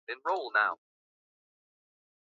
Joseph kabila alifanya myika kumi na nane mu utawala wake